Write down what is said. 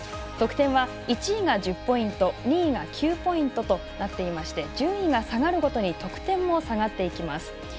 得点は１位が１０ポイント２位が９ポイントとなっていて順位が下がるごとに得点も下がっていきます。